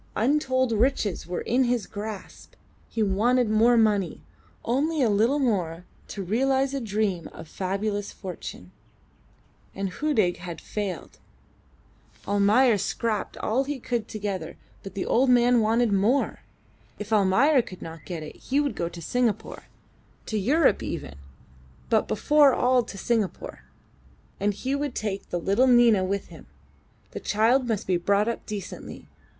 Untold riches were in his grasp; he wanted more money only a little more torealise a dream of fabulous fortune. And Hudig had failed! Almayer scraped all he could together, but the old man wanted more. If Almayer could not get it he would go to Singapore to Europe even, but before all to Singapore; and he would take the little Nina with him. The child must be brought up decently.